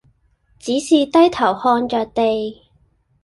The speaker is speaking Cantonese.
只是低頭向着地，